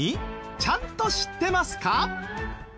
ちゃんと知ってますか？